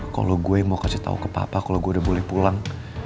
kalau gue yang mau kasih tau ke papa kalau gue udah boleh pulang